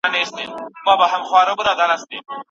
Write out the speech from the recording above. ایا مورنۍ ژبه فشار کموي؟